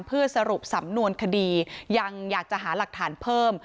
เพื่อสรุปสำนวนคดียังอยากจะหาหลักฐานเพิ่ม